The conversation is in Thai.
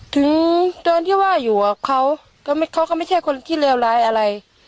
ถึงตอนที่ว่าอยู่กับเขาก็ไม่เขาก็ไม่ใช่คนที่เลวร้ายอะไร